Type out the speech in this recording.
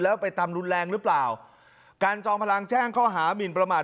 แล้วไปทำรุนแรงหรือเปล่าการจอมพลังแจ้งข้อหามินประมาท